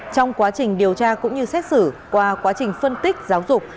trong quá trình điều tra cũng như xét xử qua quá trình phân tích giáo dục